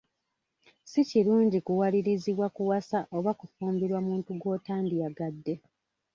Si kirungi kuwalirizibwa kuwasa oba kufumbirwa muntu gw'otandyagadde.